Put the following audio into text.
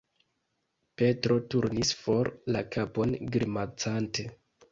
Petro turnis for la kapon, grimacante.